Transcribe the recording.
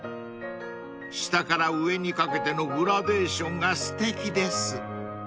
［下から上にかけてのグラデーションがすてきです］